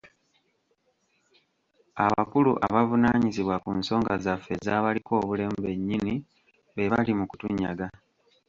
Abakulu abavunaanyizibwa ku nsonga zaffe ez’abaliko obulemu bennyini be bali mu kutunyaga